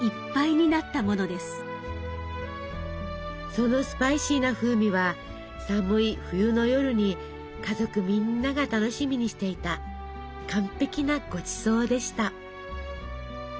そのスパイシーな風味は寒い冬の夜に家族みんなが楽しみにしていた「完璧なごちそう」でした。